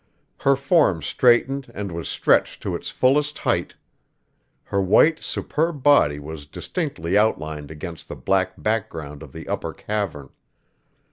Her form straightened and was stretched to its fullest height; her white, superb body was distinctly outlined against the black background of the upper cavern.